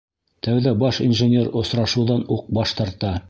Тәүҙә баш инженер осрашыуҙан уҡ баш тарта.